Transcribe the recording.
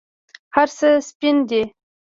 هرڅه سپین دي